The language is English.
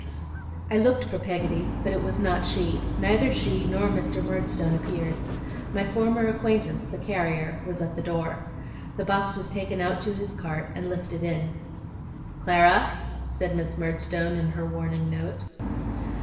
I looked for Peggotty, but it was not she; neither she nor Mr. Murdstone appeared. My former acquaintance, the carrier, was at the door. The box was taken out to his cart, and lifted in. 'Clara!' said Miss Murdstone, in her warning note.